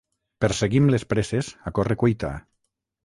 Perseguim les presses a corre-cuita.